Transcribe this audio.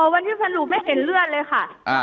วันที่สรุปไม่เห็นเลือดเลยค่ะ